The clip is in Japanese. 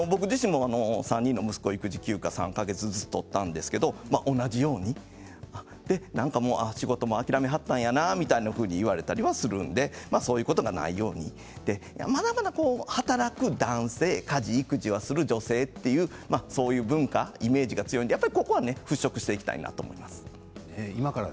僕自身も、３人の息子がいて育児休暇を取ったんですが仕事も諦めはったんやろうなと言われたりするのでそういうことがないようにまだまだ働く男性家事、育児する女性という文化イメージが強いので払拭していきたいなと思います。